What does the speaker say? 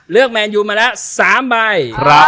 เลือกแมนยูมาแล้ว๓ใบ